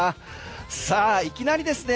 さあいきなりですね